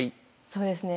そうですね。